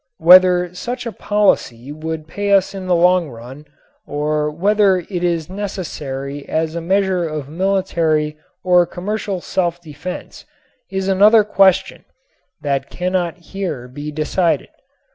Whether such a policy would pay us in the long run or whether it is necessary as a measure of military or commercial self defense is another question that cannot here be decided.